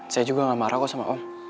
saya juga gak marah kok sama om